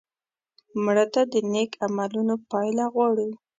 مړه ته د نیک عملونو پایله غواړو